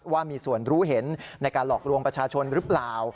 ว่ามีส่วนรู้เห็นในการหลอกลวงประชาชนหรือเปล่า